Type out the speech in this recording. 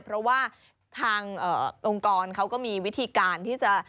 เพราะว่าทางองค์กรเขาก็มีวิธีการที่จะ